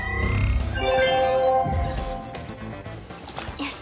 よし。